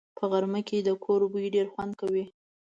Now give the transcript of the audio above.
په غرمه کې د کور بوی ډېر خوند کوي